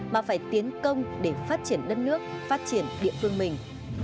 mà phải tiến công để phát triển đất nước phát triển địa phương mình